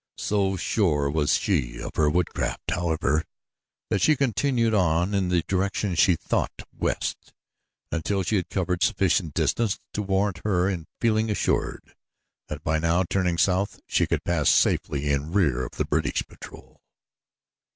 So sure was she of her woodcraft, however, that she continued on in the direction she thought west until she had covered sufficient distance to warrant her in feeling assured that, by now turning south, she could pass safely in rear of the British patrol.